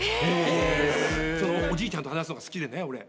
おじいちゃんと話すのが好きでね俺。